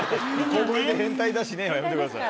小声で「変態だしね」はやめてください。